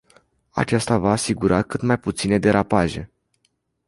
Aceasta va asigura cât mai puține derapaje.